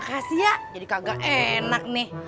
makasih ya jadi kagak enak nih